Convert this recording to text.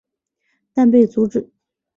但被阻止。